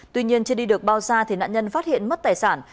tuy nhiên chưa đi được bao xa thì nạn nhân phát hiện mất tài sản